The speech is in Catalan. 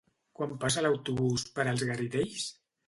Quan passa l'autobús per els Garidells?